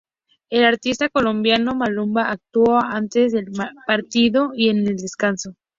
El artista colombiano Maluma actúo antes del partido y en el descanso.